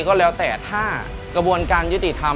ก็แล้วแต่ถ้ากระบวนการยุติธรรม